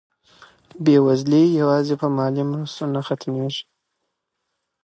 بېوزلي یوازې په مالي مرستو نه ختمېږي.